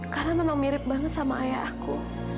karena memang mirip banget sama ayah aku